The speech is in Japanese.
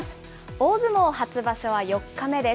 大相撲初場所は４日目です。